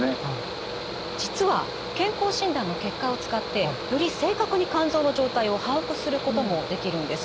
実は健康診断の結果を使ってより正確に肝臓の状態を把握することもできるんです。